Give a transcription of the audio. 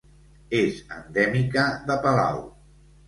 És endèmica de Palau.